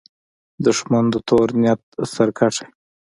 دښمن د تور نیت سرکښه وي